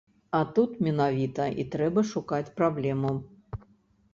А тут менавіта і трэба шукаць праблему.